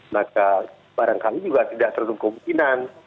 maka barangkali juga tidak terlalu kemungkinan